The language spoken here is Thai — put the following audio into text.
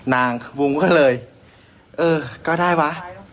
นางบุ๋มก็เลยเออก็ได้วะ